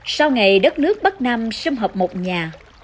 sau ngày đất nước bắc nam xâm hợp một nhà